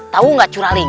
tahu gak curaling